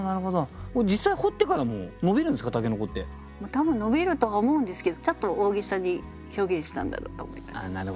多分伸びるとは思うんですけどちょっと大げさに表現したんだろうと思います。